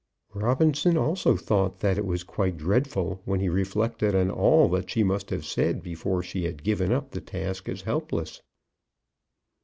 Robinson also thought that it was quite dreadful when he reflected on all that she must have said before she had given up the task as helpless.